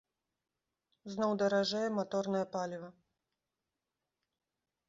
Зноў даражэе маторнае паліва.